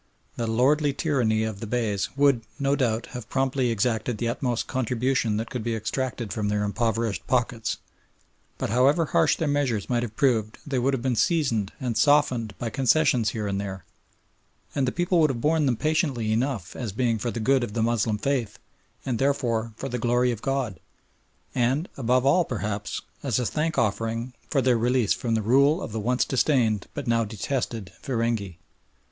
The lordly tyranny of the Beys would, no doubt, have promptly exacted the utmost "contribution" that could be extracted from their impoverished pockets, but however harsh their measures might have proved they would have been seasoned and softened by concessions here and there, and the people would have borne them patiently enough as being for the good of the Moslem faith and therefore for the glory of God and, above all perhaps, as a thankoffering for their release from the rule of the once disdained but now detested feringhee.